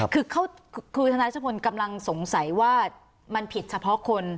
คือธนารัชพลกำลังสงสัยว่ามันผิดเฉพาะคน